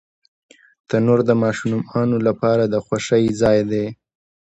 تنور د ماشومانو لپاره د خوښۍ ځای دی